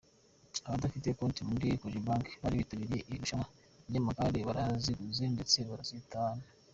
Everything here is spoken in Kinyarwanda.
Abadafite konti muri kojebanke bari bitabiriye iri rushanwa ry’amagare baraziguze ndetse barazitahana.